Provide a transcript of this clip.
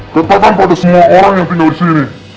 katakan pada semua orang yang tinggal disini